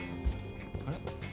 あれ？